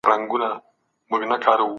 هغه ډېوه د نيمو شپو ده تور لوګى نــه دئ